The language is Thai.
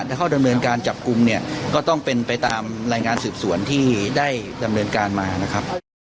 ถ้าเข้าดำเนินการจับกลุ่มเนี่ยก็ต้องเป็นไปตามรายงานสืบสวนที่ได้ดำเนินการมานะครับ